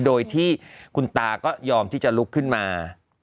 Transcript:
โดยที่คุณตาก็ยอมที่จะลุกขึ้นมา